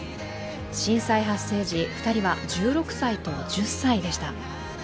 震災発生時、２人は１６歳と１０歳でした。